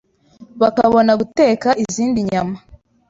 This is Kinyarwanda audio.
bakabona guteka izindi nyama